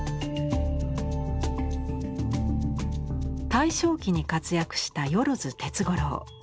大正期に活躍した萬鉄五郎。